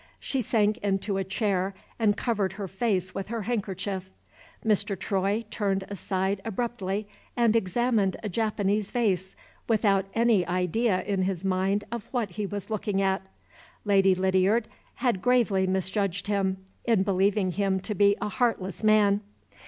She sank into a chair, and covered her face with her handkerchief. Mr. Troy turned aside abruptly, and examined a Japanese vase, without any idea in his mind of what he was looking at. Lady Lydiard had gravely misjudged him in believing him to be a heartless man.